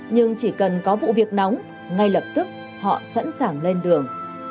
nhưng chỉ cần có vụ việc nóng ngay lập tức họ sẵn sàng lên đường